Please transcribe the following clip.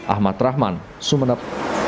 ahmad rahman sumeneb